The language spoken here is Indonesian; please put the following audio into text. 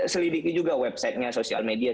selidiki juga websitenya sosial media